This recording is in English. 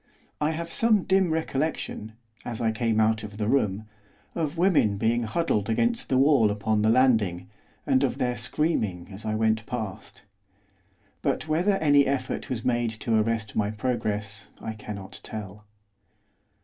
I have some dim recollection, as I came out of the room, of women being huddled against the wall upon the landing, and of their screaming as I went past. But whether any effort was made to arrest my progress I cannot tell.